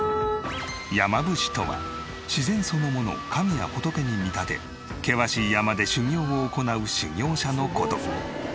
山伏とは自然そのものを神や仏に見立て険しい山で修行を行う修行者の事。